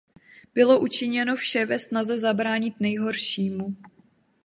Bylo učiněno vše ve snaze zabránit nejhoršímu.